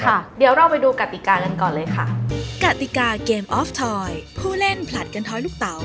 ค่ะเดี๋ยวเราไปดูกติกากันก่อนเลยค่ะ